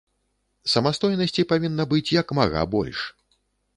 Самастойнасці павінна быць як мага больш.